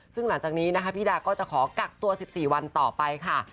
ซึ่งหลังจากนี้นะคะพี่ดาก็จะขอกักตัว๑๔วันต่อไปค่ะ